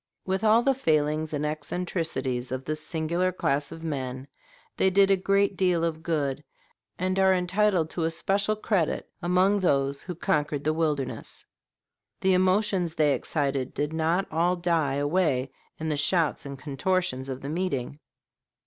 With all the failings and eccentricities of this singular class of men, they did a great deal of good, and are entitled to especial credit among those who conquered the wilderness. The emotions they excited did not all die away in the shouts and contortions of the meeting.